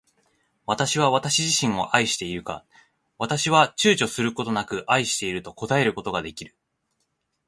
私は私自身を愛しているか。私は躊躇ちゅうちょすることなく愛していると答えることが出来る。